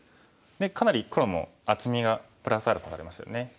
でかなり黒も厚みがプラスアルファされましたよね。